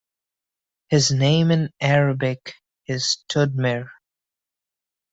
His name in Arabic is Tudmir.